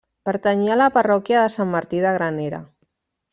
Pertanyia a la parròquia de Sant Martí de Granera.